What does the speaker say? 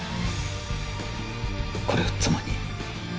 これを妻に